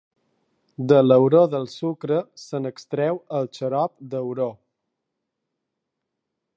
De l'auró del sucre se n'extreu el xarop d'auró.